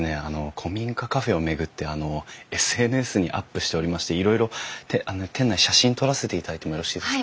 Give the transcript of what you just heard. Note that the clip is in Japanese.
古民家カフェを巡ってＳＮＳにアップしておりましていろいろ店内写真撮らせていただいてもよろしいですか？